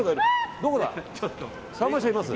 どこだ？